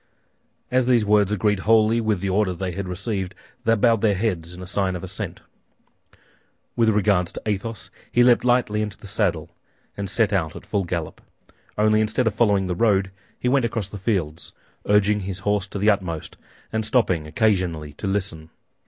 As these words agreed wholly with the order they had received, they bowed their heads in sign of assent. With regard to Athos, he leaped lightly into the saddle and set out at full gallop; only instead of following the road, he went across the fields, urging his horse to the utmost and stopping occasionally to listen.